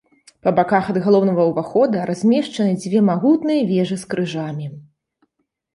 Па баках ад галоўнага ўвахода размешчаны дзве магутныя вежы з крыжамі.